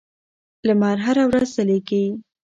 لمر هره ورځ ځلېږي.